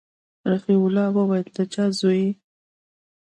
رفيع الله وويل د چا زوى يې.